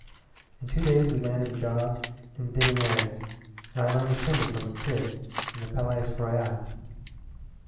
"In two days we landed a job at Divinerries', and I learned to shimmy from a kid at the Palais Royal.